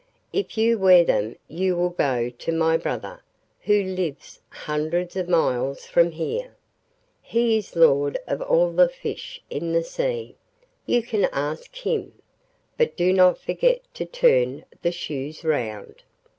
If you wear them you will get to my brother, who lives hundreds of miles from here. He is Lord of all the fish in the sea—you can ask him. But do not forget to turn the shoes round.